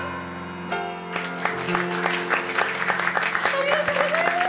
ありがとうございます！